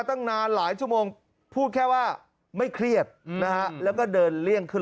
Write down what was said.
ตั้งนานหลายชั่วโมงพูดแค่ว่าไม่เครียดนะฮะแล้วก็เดินเลี่ยงขึ้น